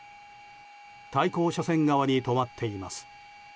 対向車線側に止まっています。